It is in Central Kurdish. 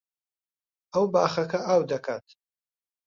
ئەو باخەکە ئاو دەکات.